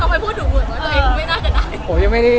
เราไม่พูดถูกเหมือนว่าตัวเองก็ว่างเวอร์ไม่ได้